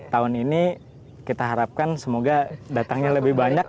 tahun ini kita harapkan semoga datangnya lebih banyak